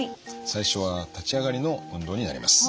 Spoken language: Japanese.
最初は立ち上がりの運動になります。